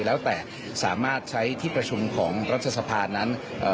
แล้วแต่สามารถใช้ที่ประชุมของรัฐสภานั้นเอ่อ